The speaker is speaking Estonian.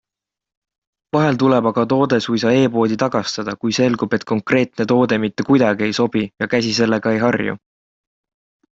Vahel tuleb aga toode suisa e-poodi tagastada, kui selgub, et konkreetne toode mitte kuidagi ei sobi ja käsi sellega ei harju.